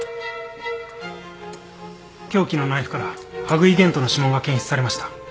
凶器のナイフから羽喰玄斗の指紋が検出されました